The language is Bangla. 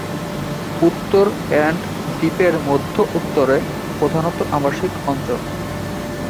উত্তর এন্ড দ্বীপের মধ্য-উত্তরে প্রধানত আবাসিক অঞ্চল।